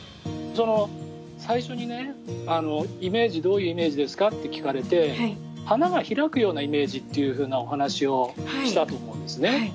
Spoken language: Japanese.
最初にどういうイメージですか？って聞かれて花が開くようなイメージというお話をしたと思うんですね。